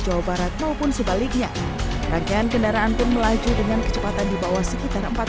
jawa barat maupun sebaliknya rangkaian kendaraan pun melaju dengan kecepatan di bawah sekitar